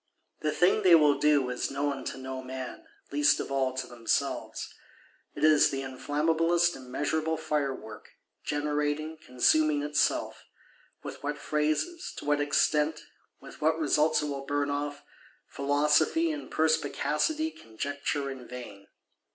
The thing they will do is known to no man; least of all to themselves. It is the inflammablest immeasurable Fire work, generating, consuming itself. With what phases, to what extent, with what results it will burn off, Philosophy and Perspicacity conjecture in vain.